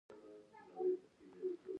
پوست حرارت احساسوي.